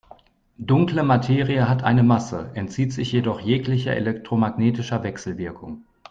Dunkle Materie hat eine Masse, entzieht sich jedoch jeglicher elektromagnetischer Wechselwirkung.